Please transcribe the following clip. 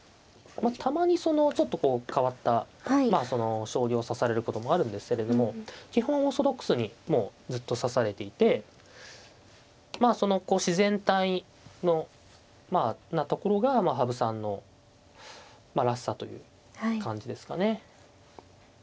まあたまにちょっとこう変わったまあその将棋を指されることもあるんですけれども基本オーソドックスにもうずっと指されていてまあそのこう自然体なところが羽生さんのまあらしさという感じですかね。